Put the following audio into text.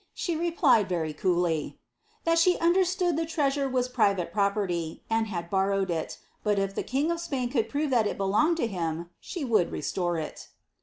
She replied, very coolly, "that she understood the treasure was private property* and had borrowed it ; but if the king of Spain could prove thai it belonged to him, she would restore it.